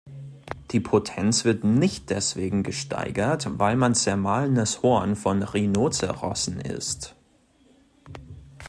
Die Potenz wird nicht deswegen gesteigert, weil man zermahlenes Horn von Rhinozerossen ißt.